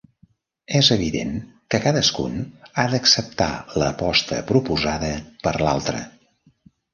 És evident que cadascun ha d'acceptar l'aposta proposada per l'altre.